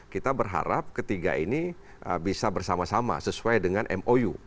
kita berharap ketiga ini bisa bersama sama sesuai dengan mou